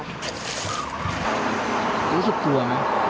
รู้สึกกลัวไหม